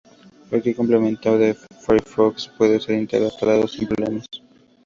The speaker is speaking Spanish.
Cualquier complemento de Firefox puede ser instalado sin problemas.